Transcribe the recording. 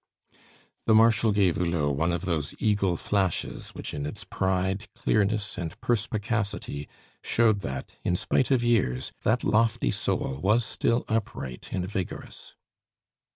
The Marshal gave Hulot one of those eagle flashes which in its pride, clearness, and perspicacity showed that, in spite of years, that lofty soul was still upright and vigorous.